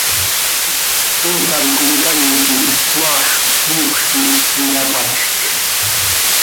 Tootar comcaii quih cmaax iipx quih iyapatjc.